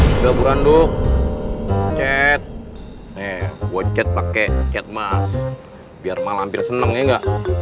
udah buran duk chat nih buat chat pakai chatmas biar malam pir seneng ya enggak